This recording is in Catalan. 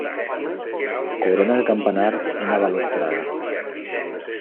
Corona el campanar una balustrada.